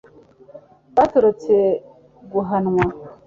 batorotse guhanwa